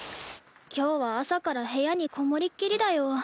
今日は朝から部屋にこもりっきりだよ。